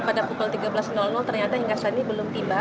pada pukul tiga belas ternyata hingga saat ini belum tiba